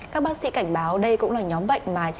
các bác sĩ cảnh báo đây cũng là nhóm bệnh mà trẻ nhỏ